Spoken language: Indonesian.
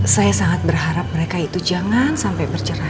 saya sangat berharap mereka itu jangan sampai bercerai